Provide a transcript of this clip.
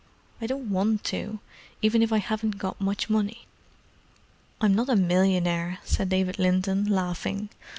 I don't want to, even if I haven't got much money." "I'm not a millionaire," said David Linton, laughing.